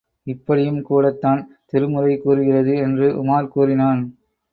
இப்படியும் கூடத்தான் திருமுறை கூறுகிறது என்று உமார் கூறினான்.